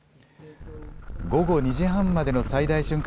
午後２時半までの最大瞬間